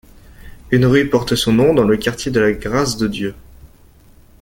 Une rue porte son nom dans le quartier de la Grâce de Dieu.